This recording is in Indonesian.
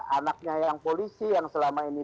anaknya yang polisi yang selama ini